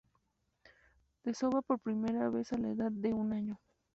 Desova por primera vez a la edad de un año.